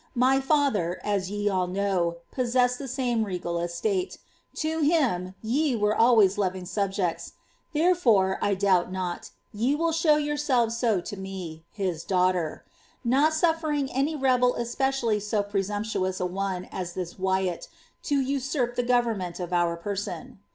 My (ather (as ye all know) jxisaesfied the same regal estate; to bim ye were always loving subjects; therefore, I doubt not, ye will show yourselves so to me, his dangbter; not sutfering any rebel especially so pre sumptuous a one as this Wyatt, to usurp the government of our peison.